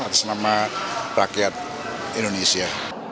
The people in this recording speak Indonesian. atas nama rakyat indonesia